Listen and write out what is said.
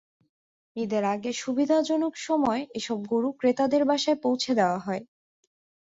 ঈদের আগে সুবিধাজনক সময় এসব গরু ক্রেতাদের বাসায় পৌঁছে দেওয়া হয়।